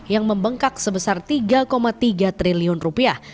yang membengkak sebesar tiga tiga triliun rupiah